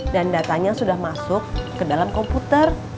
dan datanya sudah masuk ke dalam komputer